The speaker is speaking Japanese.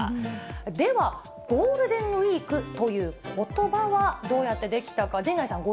ではゴールデンウィークということばはどうやって出来たか。